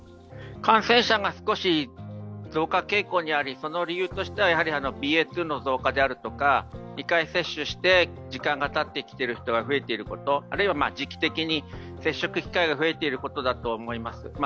感染者が少し増加傾向にあり、その理由としてはＢＡ．２の増加であるとか２回接種して時間がたってきている人が増えてきていること、あるいは時期的に接触機会が増えていることだと思います。